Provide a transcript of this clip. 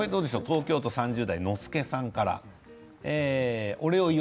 東京都３０代の方です。